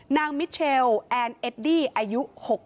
มิเชลแอนเอดดี้อายุ๖๐